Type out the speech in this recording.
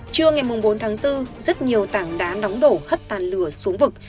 trưa ngày bốn tháng bốn rất nhiều tảng đá nóng đổ hất tàn lửa xuống vực